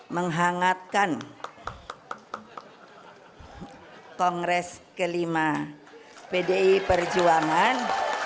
menghangatkan kongres ke lima pdi perjuangan